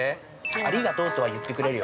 ありがとうとは言ってくれるよ。